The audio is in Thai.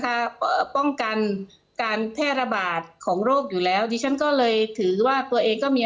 ป้องกันการแพร่ระบาดของโรคอยู่แล้วดิฉันก็เลยถือว่าตัวเองก็มี